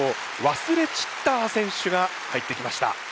ワスレ・チッター選手が入ってきました。